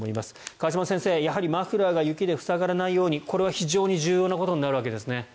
河島先生、やはりマフラーが雪で塞がらないようにこれは非常に重要なことになるわけですね。